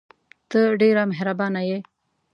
ته ډېره مهربانه یې !